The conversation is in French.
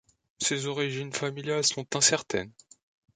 Ses origines familiales sont incertaines.